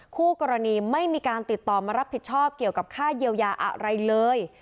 คู่กรณีไม่มีการติดต่อมารับผิดชอบเกี่ยวกับค่าเยียวยาอะไรเลย